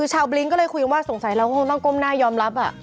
ชาวบลิ้งก็เลยคุยกันว่าสงสัยเราก็คงต้องก้มหน้ายอมรับ